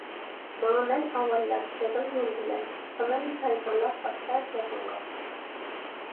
ماڭىمەن ئاۋايلاپ چىغىر يول بىلەن، چىقىمەن تايتاڭلاپ ئاستا تېغىڭغا.